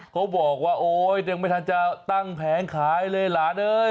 เขาบอกว่าโอ๊ยยังไม่ทันจะตั้งแผงขายเลยหลานเอ้ย